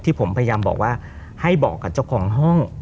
ผมพยายามบอกว่าให้บอกกับเจ้าของห้อง